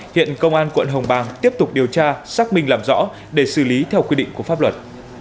hiện công an quận hồng bàng tiếp tục điều tra xác minh làm rõ để xử lý theo quy định của pháp luật